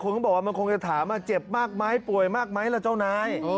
ก็บอกว่ามันคงจะถามเจ็บมากไหมป่วยมากไหมล่ะเจ้านาย